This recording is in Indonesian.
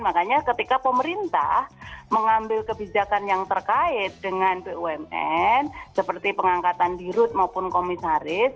makanya ketika pemerintah mengambil kebijakan yang terkait dengan bumn seperti pengangkatan di rut maupun komisaris